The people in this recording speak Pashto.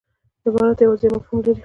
عبارت یوازي یو مفهوم لري.